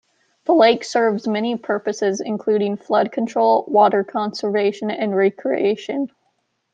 The lake serves many purposes including flood control, water conservation, and recreation.